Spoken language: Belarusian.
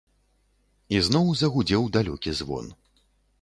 Ізноў загудзеў далёкі звон.